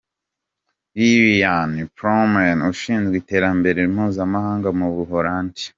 Lillianne Ploumen ushinzwe Iterambere mpuzamahanga mu Ubuholandi.